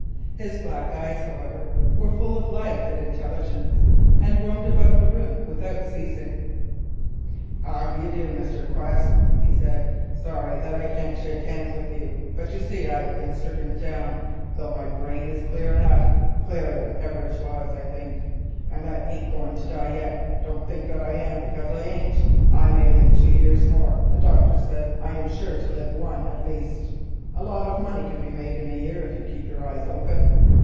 His black eyes, however, were full of life and intelligence, and roamed about the room without ceasing. "How do you do, Mr. Quest?" he said; "sorry that I can't shake hands with you but you see I have been stricken down, though my brain is clear enough, clearer than ever it was, I think. And I ain't going to die yet—don't think that I am, because I ain't. I may live two years more—the doctor says I am sure to live one at least. A lot of money can be made in a year if you keep your eyes open.